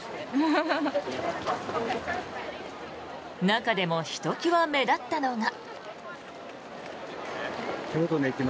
中でもひときわ目立ったのが。